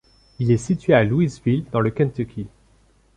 Il est situé à Louisville, dans le Kentucky.